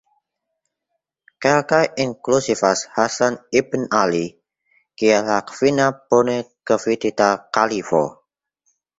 Kelkaj inkluzivas Hasan ibn Ali kiel la kvina bone gvidita kalifo.